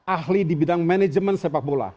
ahli di bidang manajemen sepak bola